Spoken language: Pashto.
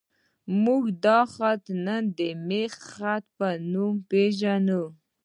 موږ دا خط نن د میخي خط په نوم پېژنو.